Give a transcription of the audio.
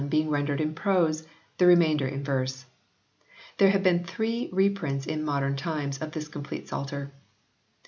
being rendered in prose, the remainder in verse. There have been three reprints in modern times of this complete Psalter.